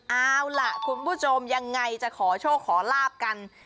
เอาล่ะคุณผู้ชมยังไงจะขอโชคขอลาบกัน